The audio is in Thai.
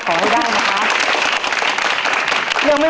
ขอบคุณครับ